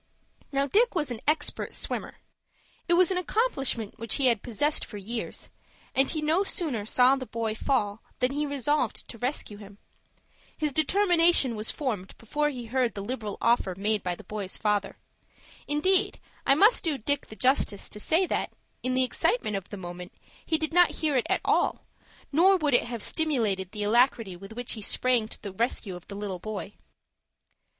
Now Dick was an expert swimmer. It was an accomplishment which he had possessed for years, and he no sooner saw the boy fall than he resolved to rescue him. His determination was formed before he heard the liberal offer made by the boy's father. Indeed, I must do Dick the justice to say that, in the excitement of the moment, he did not hear it at all, nor would it have stimulated the alacrity with which he sprang to the rescue of the little boy.